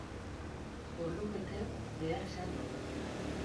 Ordu bete behar izan dugu.